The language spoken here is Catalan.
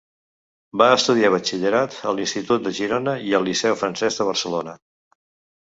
Va estudiar batxillerat a l'Institut de Girona i al Liceu Francès de Barcelona.